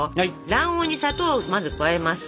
卵黄に砂糖をまず加えます。